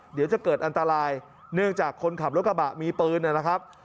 เดี๋ยวจะเกิดอันตรายเนื่องจากคนขับรถกระบะมีปืนนะครับ